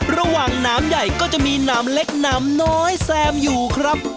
หนามใหญ่ก็จะมีหนามเล็กหนามน้อยแซมอยู่ครับ